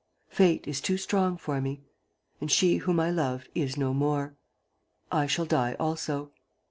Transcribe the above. Fate is too strong for me. ... And she whom I loved is no more. I shall die also."